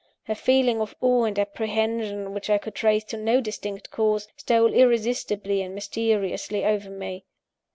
A feeling of awe and apprehension, which I could trace to no distinct cause, stole irresistibly and mysteriously over me.